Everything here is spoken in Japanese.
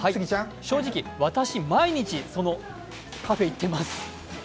正直、私、毎日そのカフェに行っています。